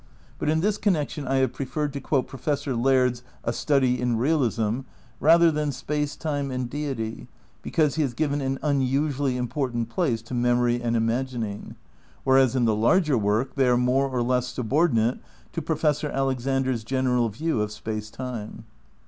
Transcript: But in this connection I have pre ferred to quote Professor Laird's A Study in Realism rather than Space, Time and Deity, because he has given an unusually important place to memory and imagining, whereas in the larger work they are more or less subordinate to Professor Alexander's general view of space time.